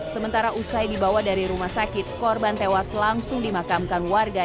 sementara usai dibawa dari rumah sakit korban tewas langsung dimakamkan warga